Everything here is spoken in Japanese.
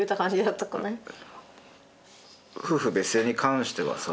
夫婦別姓に関してはさ。